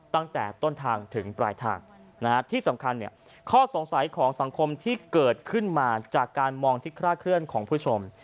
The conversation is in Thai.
ตั้งแต่ต้นทางถึงปลายทางที่สำคัญข้อสงสัยของสังคมที่เกิดขึ้นมาจากการมองที่คลาดเคลื่อนของผู้ชม